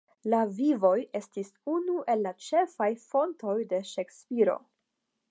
La "Vivoj" estis unu el la ĉefaj fontoj de Ŝekspiro.